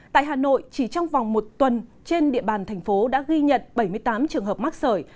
tại hà nội chỉ trong vòng một tuần trên địa bàn thành phố đã ghi nhận bảy mươi tám trường hợp mắc sởi